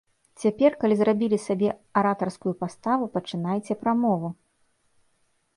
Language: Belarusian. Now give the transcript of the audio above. Цяпер, калі зрабілі сабе аратарскую паставу, пачынайце прамову.